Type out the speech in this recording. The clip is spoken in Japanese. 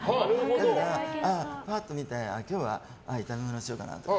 だから、パッと見て今日は炒め物しようかなとか。